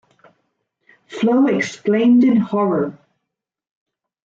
Flo exclaimed in horror.